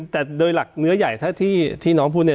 แต่โดยหลักเนื้อใหญ่ถ้าที่น้องพูดเนี่ย